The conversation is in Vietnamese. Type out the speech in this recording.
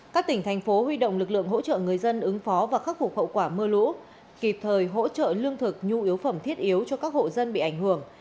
các tỉnh thành phố huy động lực lượng hỗ trợ người dân ứng phó và khắc phục hậu quả mưa lũ kịp thời hỗ trợ lương thực nhu yếu phẩm thiết yếu cho các hộ dân bị ảnh hưởng